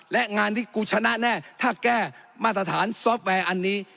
และงานนี้กูชนะแน่ถ้าแก้มาตรฐานซอฟต์แวร์อันนี้